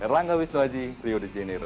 rangga wisnuaji rio de janeiro